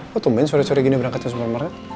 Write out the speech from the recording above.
kok tumpen sore sore gini berangkat ke supermarket